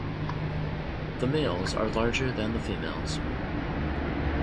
The males are larger than the females.